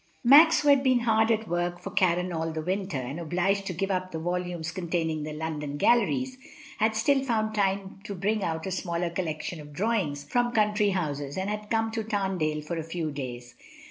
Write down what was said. Max, who had been hard at work for Caron all the winter, and obliged to give up the volumes containing the London galleries, had still found time to bring out a smaller collection of drawings from country houses, and had come to Tamdale for a few days.